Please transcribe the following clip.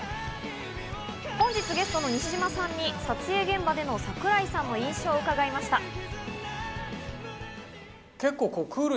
本日ゲストの西島さんに撮影現場での桜井さんの印象を伺いました。